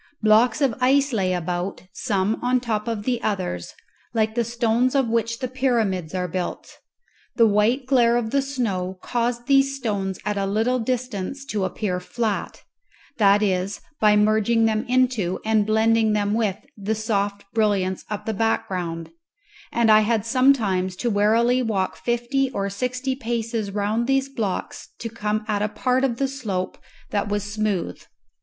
Blocks of ice lay about, some on top of the others, like the stones of which the pyramids are built; the white glare of the snow caused these stones at a little distance to appear flat that is, by merging them into and blending them with the soft brilliance of the background; and I had sometimes to warily walk fifty or sixty paces round these blocks to come at a part of the slope that was smooth.